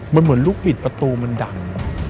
มันเหมือนลูกบิดประตูมันดัง